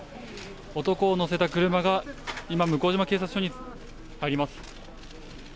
男を乗せた車が今、向島警察署に入ります。